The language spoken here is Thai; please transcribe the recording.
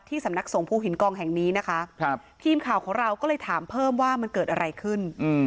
สำนักสงภูหินกองแห่งนี้นะคะทีมข่าวของเราก็เลยถามเพิ่มว่ามันเกิดอะไรขึ้น